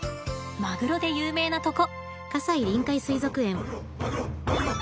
マグロで有名なとこ。